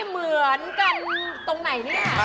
เหมือนกันตรงไหนเนี่ย